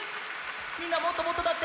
みんなもっともっとだって！